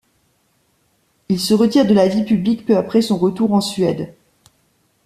Il se retire de la vie publique peu après son retour en Suède.